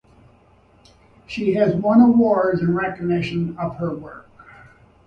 She has won awards in recognition of her work.